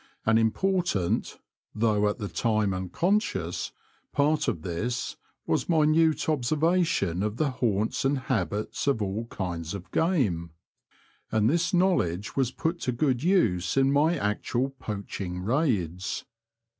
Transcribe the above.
An im portant (though at the time unconscious) part of this was minute observation of the haunts and habits of all kinds of game ; and The Confessions of a T^oacher, 8 1 this knowledge was put to good use in my actual poaching raids.